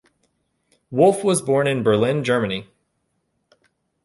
Wolff was born in Berlin, Germany.